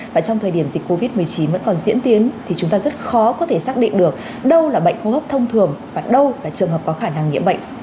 và trong thời điểm dịch covid một mươi chín vẫn còn diễn tiến thì chúng ta rất khó có thể xác định được đâu là bệnh hô hấp thông thường và đâu là trường hợp có khả năng nhiễm bệnh